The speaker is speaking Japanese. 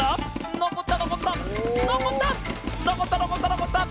のこった！